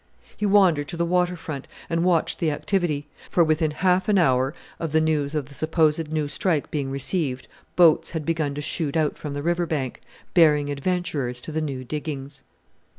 He wandered to the water front and watched the activity, for within half an hour of the news of the supposed new strike being received boats had begun to shoot out from the river bank, bearing adventurers to the new diggings.